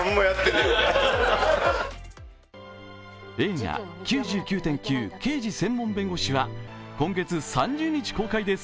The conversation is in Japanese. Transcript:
映画「９９．９−刑事専門弁護士−」は今月３０日公開です。